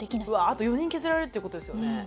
あと４人削られるっていう事ですよね。